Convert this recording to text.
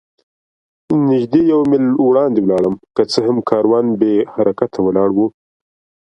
نږدې یو میل وړاندې ولاړم، که څه هم کاروان بې حرکته ولاړ و.